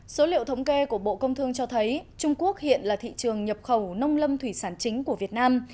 số liệu thống kê của bộ công thương cho thấy trung quốc hiện là thị trường nhập khẩu nông lâm thủy sản chính của việt nam